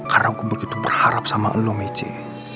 karena gue begitu berharap sama lo meci